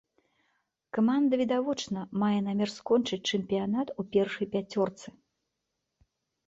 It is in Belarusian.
Каманда відавочна мае намер скончыць чэмпіянат у першай пяцёрцы.